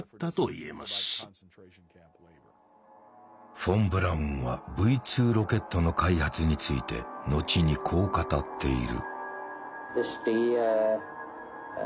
フォン・ブラウンはＶ２ロケットの開発について後にこう語っている。